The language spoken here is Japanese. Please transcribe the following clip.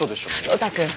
呂太くん